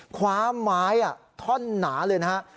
ความว้ายอ่ะท่อนหนาเลยนะฮะ